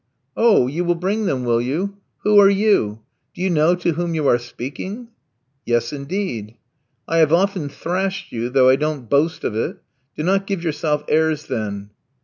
"Oh, you will bring them, will you? Who are you? Do you know to whom you are speaking?" "Yes, indeed." "I have often thrashed you, though I don't boast of it. Do not give yourself airs then."